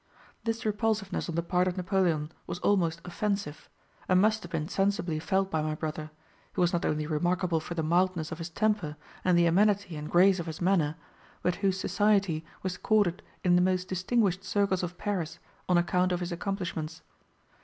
This repulsiveness on the part of Napoleon was almost offensive, and must have been sensibly felt by my brother, who was not only remarkable for the mildness of his temper and the amenity and grace of his manner, but whose society was courted in the most distinguished circles of Paris on account of his accomplishments.